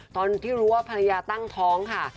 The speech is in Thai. ตอนที่รู้ว่าภรรยาตั้งท้องค่ะ